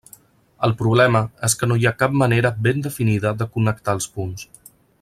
El problema és que no hi ha cap manera ben definida de connectar els punts.